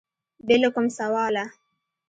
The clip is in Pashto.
بې له کوم سواله